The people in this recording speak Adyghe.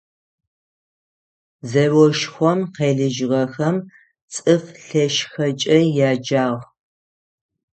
Зэошхом къелыжьыгъэхэм «Цӏыф лъэшхэкӏэ» яджагъ.